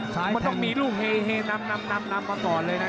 มันต้องมีลูกเฮนำมาก่อนเลยนะ